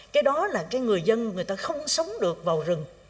cái đó là cái người dân người ta không sống được vào rừng